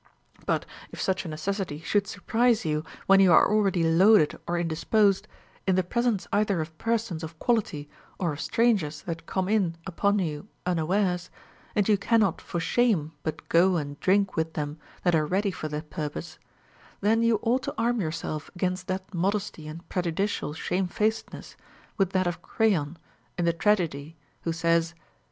5. But if such a necessity should surprise you when you are already loaded or indisposed, in the presence either of persons of quality or of strangers that come in upon you unaAvares, and you cannot for shame but go and drink with them that are ready for that purpose, then you ought to arm yourself against that modesty and prejudicial shame facedness with that of Creon in the tragedy, who says, — RULES FOR THE PRESERVATION OF HEALTH.